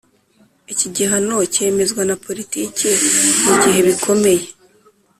Iki gihano cyemezwa na Politiki mu gihe bikomeye